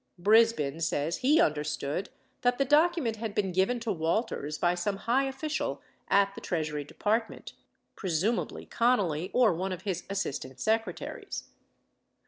Brisbin says he understood that the document had been given to Walters by some high official at the Treasury Department, presumably Connally or one of his Assistant Secretaries.